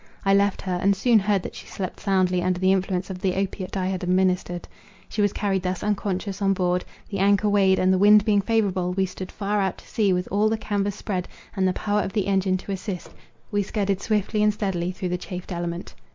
I left her, and soon heard that she slept soundly under the influence of the opiate I had administered. She was carried thus unconscious on board; the anchor weighed, and the wind being favourable, we stood far out to sea; with all the canvas spread, and the power of the engine to assist, we scudded swiftly and steadily through the chafed element.